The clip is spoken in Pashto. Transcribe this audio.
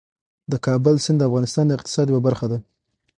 د کابل سیند د افغانستان د اقتصاد یوه برخه ده.